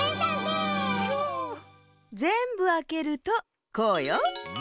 ぜんぶあけるとこうよ。